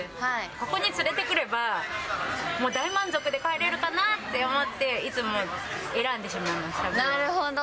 ここに連れてくれば、もう大満足で帰れるかなって思って、いつも選んでしまいます、なるほど。